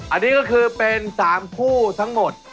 อันนี้ก็คือเป็น๓คู่ทั้งหมด